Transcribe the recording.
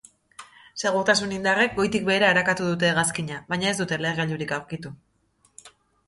Segurtasun indarrek goitik behera arakatu dute hegazkina baina ez dute lehergailurik aurkitu.